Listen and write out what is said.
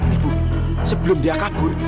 ibu sebelum dia kabur